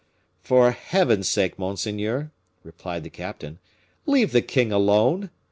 "For Heaven's sake, monseigneur," replied the captain, "leave the king alone!